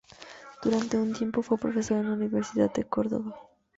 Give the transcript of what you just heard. Durante un tiempo fue profesor en la Universidad de Córdoba.